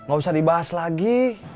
gak usah dibahas lagi